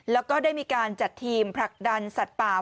แล้วก็ได้มีการจัดทีมผลักดันสัตว์ป่า